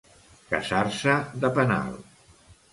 Casar-se de penal.